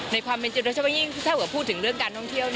ในความเป็นจิตรชาติอย่างนี้ถ้าพูดถึงเรื่องการท่องเที่ยว